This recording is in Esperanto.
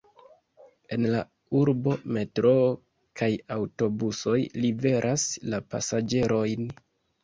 En la urbo metroo kaj aŭtobusoj liveras la pasaĝerojn.